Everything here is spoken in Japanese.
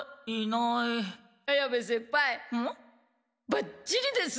ばっちりです！